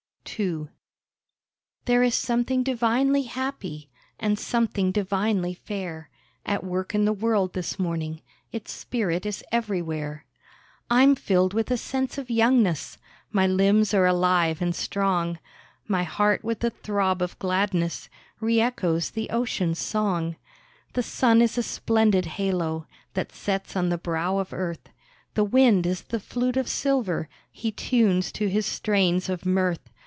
II There is something divinely happy, And something divinely fair, At work in the world this morning, Its spirit is everywhere. I'm filled with a sense of youngness, My limbs are alive and strong, My heart with a throb of gladness Re echoes the Ocean's song. The sun is a splendid halo, That sets on the brow of earth, The wind is the flute of silver He tunes to his strains of mirth.